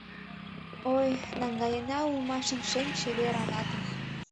Ой, наҥгаена улмашын шем чевер Анатым.